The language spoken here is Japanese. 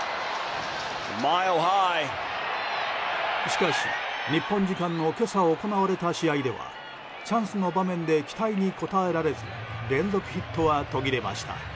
しかし、日本時間の今朝行われた試合ではチャンスの場面で期待に応えられず連続ヒットは途切れました。